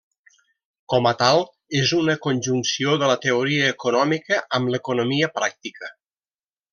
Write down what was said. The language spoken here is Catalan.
Com a tal, és una conjunció de la teoria econòmica amb l'economia pràctica.